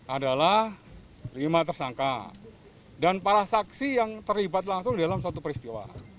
adalah lima tersangka dan para saksi yang terlibat langsung dalam satu peristiwa